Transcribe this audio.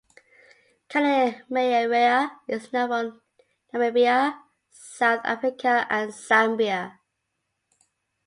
"Kannemeyeria" is known from Namibia, South Africa, and Zambia.